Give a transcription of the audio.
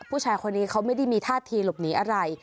ผู้ชายคนนี้เขาไม่ได้มีท่าทีหลบหนีอะไร